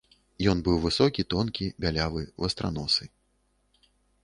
Ён быў высокі, тонкі, бялявы, вастраносы.